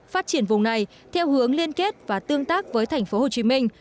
phát triển vùng này theo hướng liên kết và tương tác với thành phố hồ chí minh